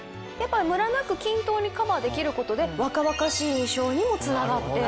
ムラなく均等にカバーできることで若々しい印象にも繋がって。